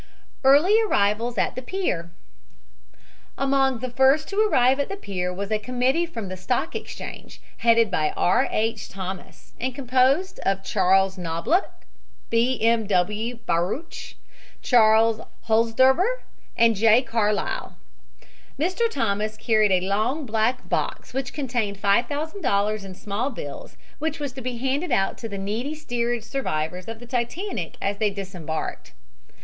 EARLY ARRIVALS AT PIER Among the first to arrive at the pier was a committee from the Stock Exchange, headed by R. H. Thomas, and composed of Charles Knoblauch, B. M. W. Baruch, Charles Holzderber and J. Carlisle. Mr. Thomas carried a long black box which contained $5000 in small bills, which was to be handed out to the needy steerage survivors of the Titanic as they disembarked.